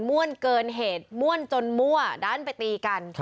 ่วนเกินเหตุม่วนจนมั่วดันไปตีกัน